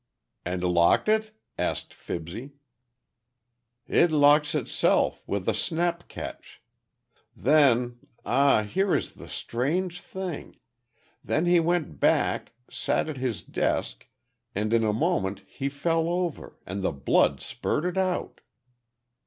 "And locked it?" asked Fibsy. "It locks itself, with a snap catch. Then—ah, here is the strange thing! Then he went back, sat at his desk, and in a moment he fell over and the blood spurted out."